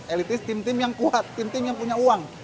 elitis tim tim yang kuat tim tim yang punya uang